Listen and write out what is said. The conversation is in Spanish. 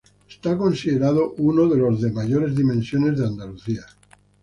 Está considerado como uno de los de mayores dimensiones de Andalucía.